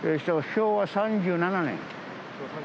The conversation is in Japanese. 昭和３７年。